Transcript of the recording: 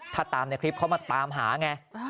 ถ้าตามในคลิปเขามาตามหาไง